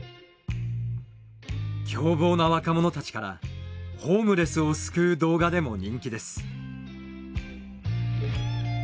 凶暴な若者たちからホームレスを救う動画でも人気です。